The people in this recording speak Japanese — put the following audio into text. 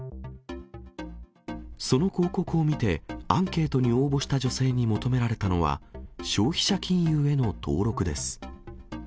その広告を見て、アンケートに応募した女性に求められたのは、消費者金融への登録です。